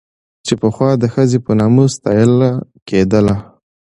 چې پخوا د ښځې په نامه ستايله کېدله